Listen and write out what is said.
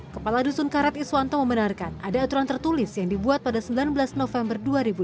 kepala dusun karet iswanto membenarkan ada aturan tertulis yang dibuat pada sembilan belas november dua ribu dua puluh